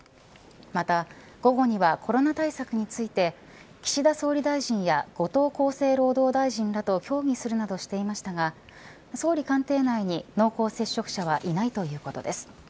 また午後にはコロナ対策について岸田総理大臣や後藤厚生労働大臣らと協議するなどしていましたが総理官邸内に濃厚接触者はいないということです。